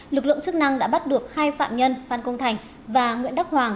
lực lượng chức năng đã bắt được hai phạm nhân phan công thành và nguyễn đắc hoàng